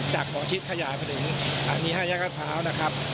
จากหมอชิศขยายไปถึงฐานี๕ยักรัฐเภาส์